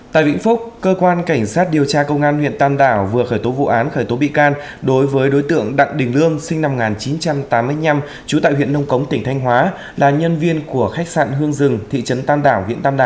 tại vĩnh phúc cơ quan cảnh sát điều tra công an huyện tam đảo vừa khởi tố vụ án khởi tố bị can đối với đối tượng đặng đình lương sinh năm một nghìn chín trăm chín mươi tám